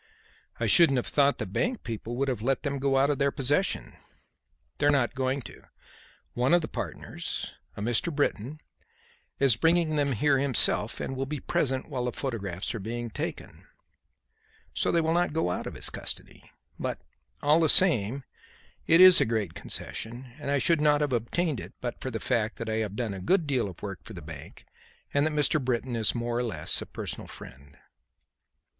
"I shouldn't have thought the bank people would have let them go out of their possession." "They are not going to. One of the partners, a Mr. Britton, is bringing them here himself and will be present while the photographs are being taken; so they will not go out of his custody. But, all the same, it is a great concession, and I should not have obtained it but for the fact that I have done a good deal of work for the bank and that Mr. Britton is more or less a personal friend."